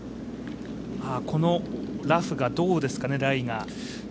このラフがどうですかね、ライが。